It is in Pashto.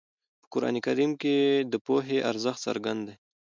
په قرآن کې د پوهې ارزښت څرګند دی.